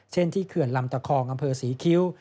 เช่นที่เขื่อนลำตะคองอำเภอศรีคิ้ว